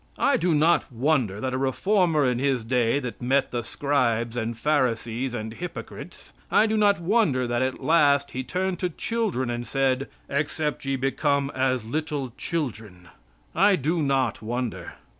'" I do not wonder that a reformer in His day that met the Scribes and Pharisees and hypocrites, I do not wonder that at last He turned to children and said: "Except ye become as little children," I do not wonder.